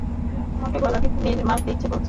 তোমাকে গলা টিপে মারতে ইচ্ছে করছে।